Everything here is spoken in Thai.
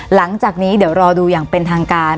หลังจากนี้เดี๋ยวรอดูอย่างเป็นทางการ